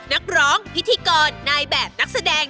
นักร้องพิธีกรนายแบบนักแสดง